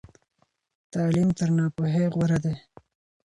تعلیم تر ناپوهۍ غوره دی.